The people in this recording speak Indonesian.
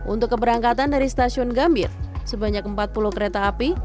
untuk keberangkatan dari stasiun gambir sebanyak empat puluh kereta api